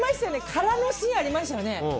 空のシーンありましたよね。